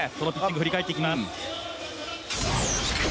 振り返っていきます。